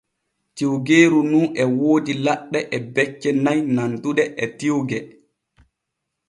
Tiwgeeru nu e woodi laɗɗe e becce nay nanduɗe e tiwge.